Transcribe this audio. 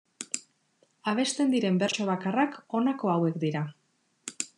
Abesten diren bertso bakarrak honako hauek dira.